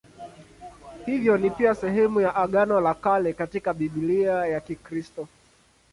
Hivyo ni pia sehemu ya Agano la Kale katika Biblia ya Kikristo.